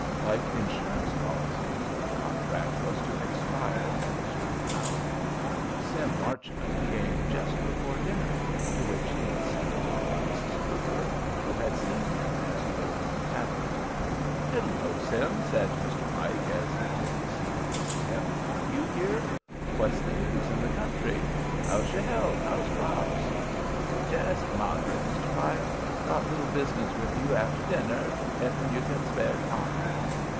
Like insurance policies, the contract was to expire at a certain hour. Sim Marchman came just before dinner, to which he was sent for by Mrs. Fluker, who had seen him as he rode into town. "Hello, Sim," said Mr. Pike as he took his seat opposite him. "You here? What's the news in the country? How's your health? How's crops?" "Jest mod'rate, Mr. Pike. Got little business with you after dinner, ef you can spare time."